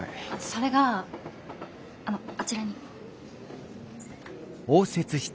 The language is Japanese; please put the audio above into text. それがあのあちらに。